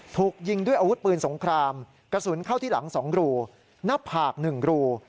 ถูกยิงด้วยอาวุธปืนสงครามกระสุนเข้าที่หลัง๒รูหน้าผาก๑รู